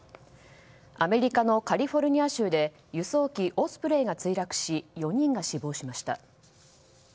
アメリカのカリフォルニア州で輸送機オスプレイが墜落し４人が死亡しました。